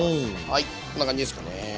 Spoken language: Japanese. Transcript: はいこんな感じですかね。